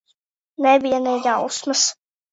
Nebija ne jausmas.